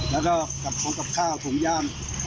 แล้วก็กับของกับข้าวถุงย่าง